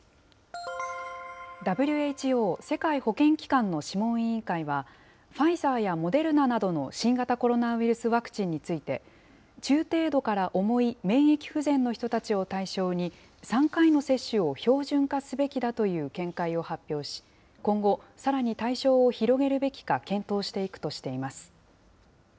ＷＨＯ・世界保健機関の諮問委員会は、ファイザーやモデルナなどの新型コロナウイルスワクチンについて、中程度から重い免疫不全の人たちを対象に、３回の接種を標準化すべきだという見解を発表し、今後、さらに対象を広げるべきか検討していくとしています。